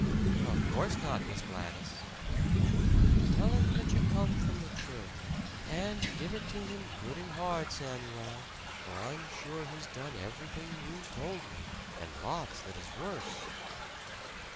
"Of course not, Miss Gladys." "Tell him that you come from the church. And give it to him good and hard, Samuel for I'm sure he's done everything you told me, and lots that is worse."